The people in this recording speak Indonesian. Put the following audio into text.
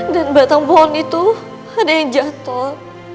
dan batang pohon itu ada yang jatuh